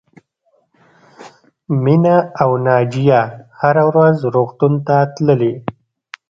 مینه او ناجیه هره ورځ روغتون ته تللې